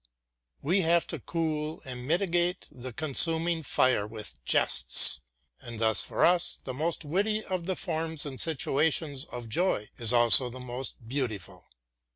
We have to cool and mitigate the consuming fire with jests, and thus for us the most witty of the forms and situations of joy is also the most beautiful.